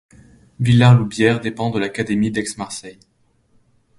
Villar-Loubière dépend de l'académie d'Aix-Marseille.